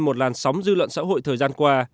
một làn sóng dư luận xã hội thời gian qua